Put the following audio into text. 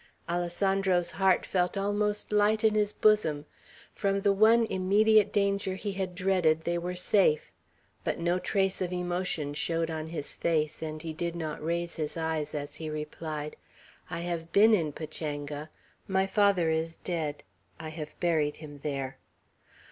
Alessandro's heart felt almost light in his bosom, From the one immediate danger he had dreaded, they were safe; but no trace of emotion showed on his face, and he did not raise his eyes as he replied; "I have been in Pachanga. My father is dead. I have buried him there."